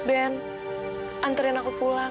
ben anterin aku pulang